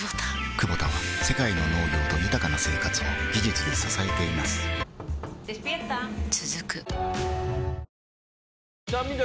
クボタは世界の農業と豊かな生活を技術で支えています起きて。